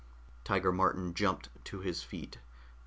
Tiger Martin jumped to his feet.